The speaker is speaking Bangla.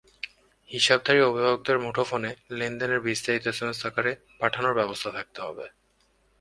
হিসাবধারীর অভিভাবকের মুঠোফোনে লেনদেনের বিস্তারিত এসএমএস আকারে পাঠানোর ব্যবস্থা থাকতে হবে।